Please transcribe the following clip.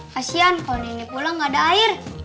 kasian kalo nini pulang gak ada air